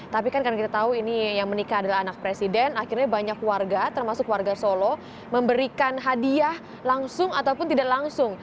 tapi kan karena kita tahu ini yang menikah adalah anak presiden akhirnya banyak warga termasuk warga solo memberikan hadiah langsung ataupun tidak langsung